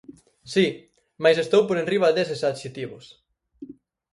Si, mais estou por enriba deses adxectivos.